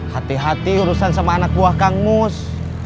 hati hati urusan sama anak buah kang mus